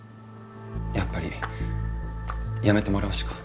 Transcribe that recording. やっぱり辞めてもらうしか。